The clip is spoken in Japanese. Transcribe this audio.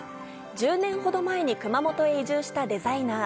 １０年ほど前に熊本へ移住したデザイナー。